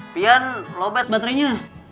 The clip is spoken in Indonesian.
pian lobet baterenya